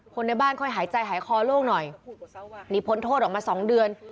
ในบ้านค่อยหายใจหายคอโล่งหน่อยหนีพ้นโทษออกมาสองเดือน